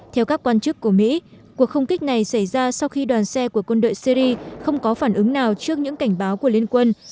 theo các quan chức của mỹ cuộc không kích này xảy ra sau khi đoàn xe của quân đội syri không có phản ứng nào trước những cảnh báo của liên quân